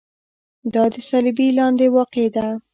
دا د صلبیې لاندې واقع ده.